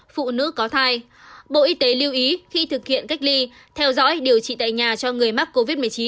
phụ nữ có thai bộ y tế lưu ý khi thực hiện cách ly theo dõi điều trị tại nhà cho người mắc covid một mươi chín